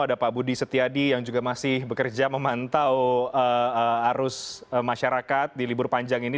ada pak budi setiadi yang juga masih bekerja memantau arus masyarakat di libur panjang ini